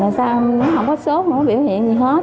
là sao nó không có số không có biểu hiện gì hết